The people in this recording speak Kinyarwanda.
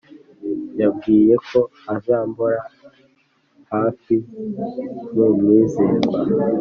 Yabwiyeko azambora hafi numwizerwa